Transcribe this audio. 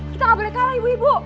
kita gak boleh kalah ibu ibu